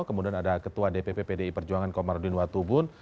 kemudian ada ketua dpp pdi perjuangan komarudin watubun